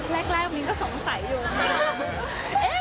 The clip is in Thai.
แรกมินก็สงสัยอยู่ค่ะ